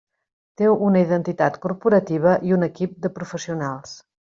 Té una identitat corporativa i un equip de professionals.